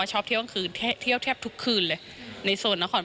อ่าเดี๋ยวฟองดูนะครับไม่เคยพูดนะครับ